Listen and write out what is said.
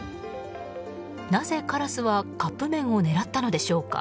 なぜ、カラスはカップ麺を狙ったのでしょうか。